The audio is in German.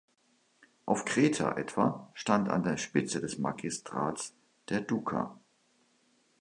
Auf Kreta etwa stand an der Spitze des Magistrats der "Duca".